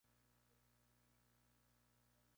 Posee, además una venación color purpúrea o rosada.